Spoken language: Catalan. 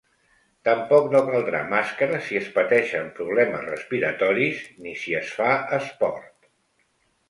Tampoc no caldrà màscara si es pateixen problemes respiratoris ni si es fa esport.